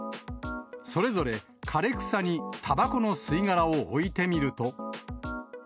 それぞれ枯れ草にたばこの吸い殻を置いてみると。